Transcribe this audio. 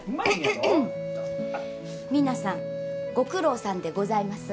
皆さんご苦労さんでございます。